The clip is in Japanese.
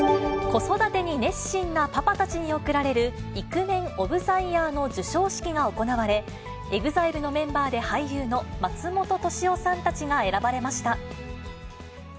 子育てに熱心なパパたちに贈られる、イクメンオブザイヤーの授賞式が行われ、ＥＸＩＬＥのメンバーで俳優の松本利夫さんたちが選ばれました。